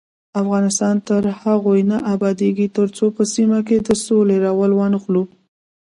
افغانستان تر هغو نه ابادیږي، ترڅو په سیمه کې د سولې رول وانخلو.